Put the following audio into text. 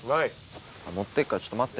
持ってくからちょっと待って。